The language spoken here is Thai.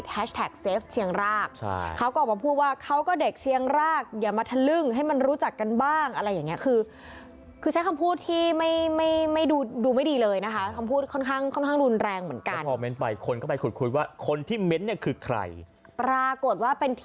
เหตุการณ์ครั้งนี้มันมีติด